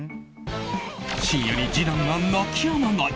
深夜に次男が泣き止まない。